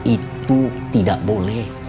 itu tidak boleh